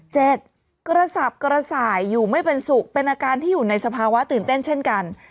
กระสับกระส่ายอยู่ไม่เป็นสุขเป็นอาการที่อยู่ในสภาวะตื่นเต้นเช่นกัน